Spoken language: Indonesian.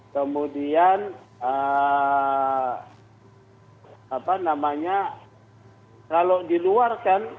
kemudian apa namanya kalau diluarkan